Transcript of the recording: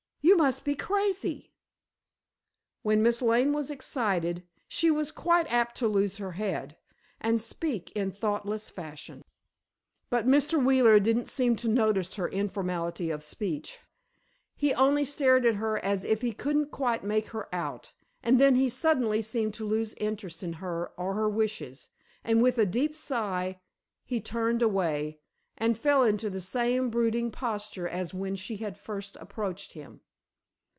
You must be crazy!" When Miss Lane was excited, she was quite apt to lose her head, and speak in thoughtless fashion. But Mr. Wheeler didn't seem to notice her informality of speech. He only stared at her as if he couldn't quite make her out, and then he suddenly seemed to lose interest in her or her wishes, and with a deep sigh, he turned away, and fell into the same brooding posture as when she had first approached him.